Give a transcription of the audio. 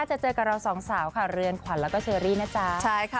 จะเจอกับเราสองสาวค่ะเรือนขวัญแล้วก็เชอรี่นะจ๊ะใช่ค่ะ